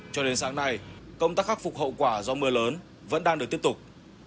cho đến sáng nay công tác khắc phục hậu quả do mưa lớn vẫn đang được tiếp tục